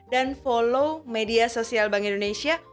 dan follow media sosial bank indonesia